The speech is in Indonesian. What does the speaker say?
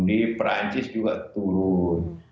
di perancis juga turun